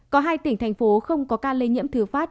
có hai tỉnh thành phố không có ca lây nhiễm thứ phát